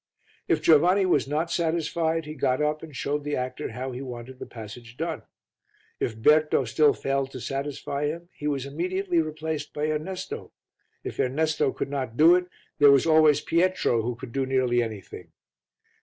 If Giovanni was not satisfied, he got up and showed the actor how he wanted the passage done. If Berto still failed to satisfy him, he was immediately replaced by Ernesto, if Ernesto could not do it, there was always Pietro who could do nearly anything.